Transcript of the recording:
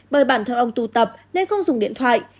bởi bản thân ông tụ tập nên không dùng điện thoại